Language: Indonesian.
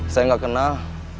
saya nggak kenal